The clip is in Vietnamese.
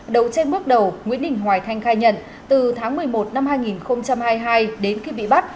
đầu tranh bước đầu nguyễn đình hoài thanh khai nhận từ tháng một mươi một năm hai nghìn hai mươi hai đến khi bị bắt